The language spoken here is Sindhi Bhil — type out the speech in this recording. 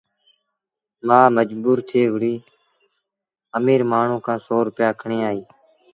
مآ مجبور ٿئي وري اميٚر مآڻهوٚٚݩ کآݩ سو روپيآ کڻي آئيٚ